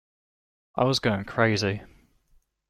I was going crazy.